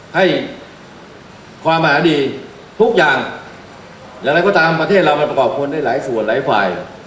ให้ความอาหารดีทุกอย่างอย่างไรก็ตามประเทศเรามันประกอบคนได้หลายส่วนหลายฝ่าย